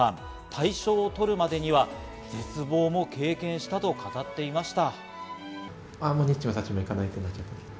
大賞を取るまでには、絶望も経験したと語っていました。